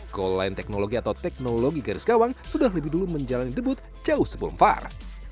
goal line technology atau teknologi garis gawang sudah lebih dulu menjalani debut jauh sebelum var